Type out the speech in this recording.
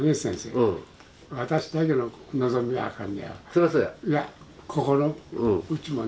そりゃそうや。